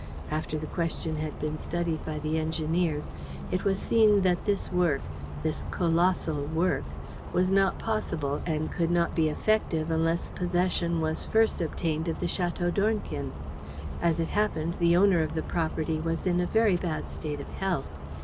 After the question had been studied by the engineers, it was seen that this work, this 'kolossal' work, was not possible and could not be effective unless possession was first obtained of the Château d'Ornequin. As it happened, the owner of the property was in a very bad state of health.